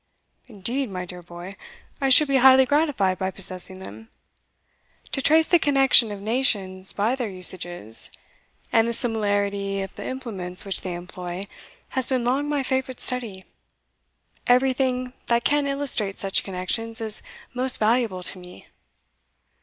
"Indeed, my dear boy, I should be highly gratified by possessing them. To trace the connection of nations by their usages, and the similarity of the implements which they employ, has been long my favourite study. Everything that can illustrate such connections is most valuable to me."